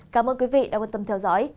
cảm ơn quý vị đã quan tâm theo dõi